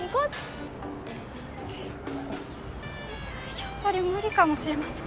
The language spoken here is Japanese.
やっぱり無理かもしれません。